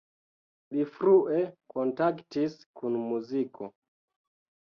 Li frue kontaktis kun muziko.